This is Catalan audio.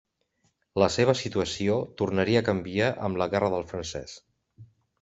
La seva situació tornaria a canviar amb la guerra del francès.